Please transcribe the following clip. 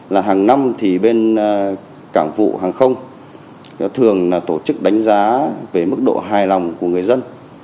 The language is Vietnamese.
là hàng năm thì bên cảng vụ hàng không thường là tổ chức đánh giá về mức độ hài lòng của người dân